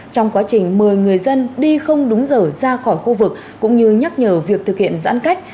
trong quá trình mời người dân đi không đúng giờ ra khỏi khu vực cũng như nhắc nhở việc thực hiện giãn cách